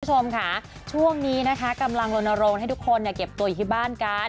คุณผู้ชมค่ะช่วงนี้นะคะกำลังลนโรงให้ทุกคนเก็บตัวอยู่ที่บ้านกัน